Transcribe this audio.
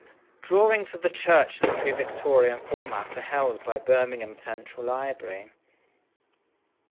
Drawings of the church in the pre-Victorian format are held by Birmingham Central Library.